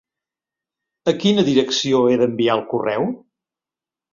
A quina direcció he d'enviar el correu?